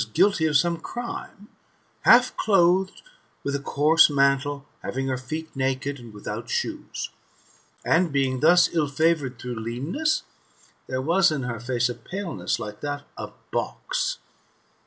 guilty of some crime, half clothed with a coarse mantle, having her feet naked, and without shoes ; and being ill favoured through leanness, there was in her face a paleness like that of box.